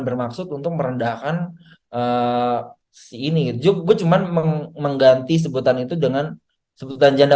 bermaksud untuk merendahkanibus ini juga cuma mengganti sebutan itu dengan sebut dan janda